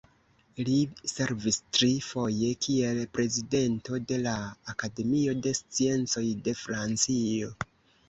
Li servis tri foje kiel prezidento de la Akademio de Sciencoj de Francio.